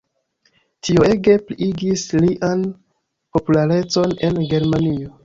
Tio ege pliigis lian popularecon en Germanio.